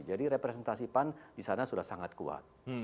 jadi representasi pan di sana sudah sangat kuat